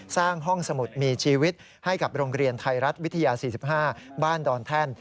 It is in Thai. สร้างห้องสมุดมีชีวิตให้กับโรงเรียนไทยรัฐวิทยา๔๕บ้านดอนแท่น